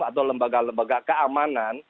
atau lembaga lembaga keamanan